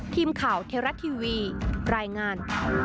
ทีมข่าวเทวรัฐทีวีรายงาน